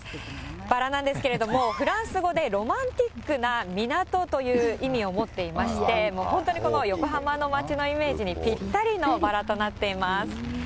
バラなんですけれども、フランス語でロマンティックな港という意味を持っていまして、本当にこの横浜の街のイメージにぴったりのバラとなっています。